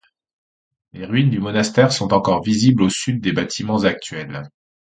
Les ruines du monastère sont encore visibles au sud des bâtiments actuels.